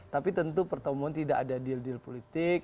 tapi tentu pertemuan tidak ada deal deal politik